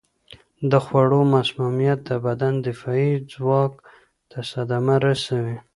د خوړو مسمومیت د بدن دفاعي ځواک ته صدمه رسوي.